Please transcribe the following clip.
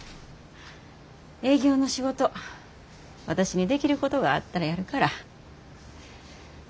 営業の仕事私にできることがあったらやるから何かあったら言うて。